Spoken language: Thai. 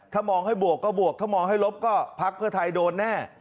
ถ้ามองให้บวกก็บวกถ้ามองให้ลบก็พักเพื่อไทยโดนแน่